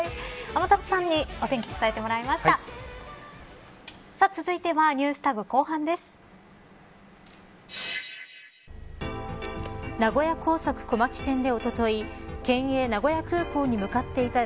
天達さんにお天気、伝えてもらいました。